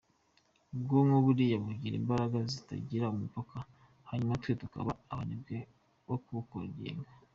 Ubwonko buriya bugira imbaraga zitagira umupaka hanyuma twe tukaba abanebwe bo k’ubugenga.